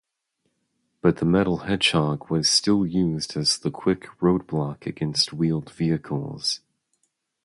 But the metal hedgehog was still used as the quick road-block against wheeled vehicles.